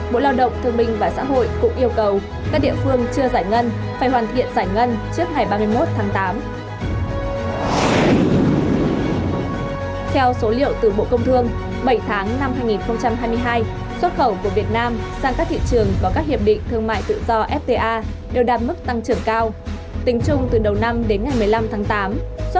bộ lao động thương minh và xã hội cũng yêu cầu các địa phương chưa giải ngân